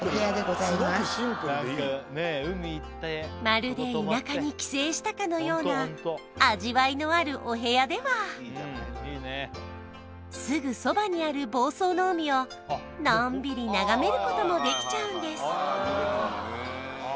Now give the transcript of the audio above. まるで田舎に帰省したかのような味わいのあるお部屋ではすぐそばにある房総の海をのんびり眺めることもできちゃうんです